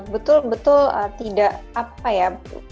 betul betul tidak apa ya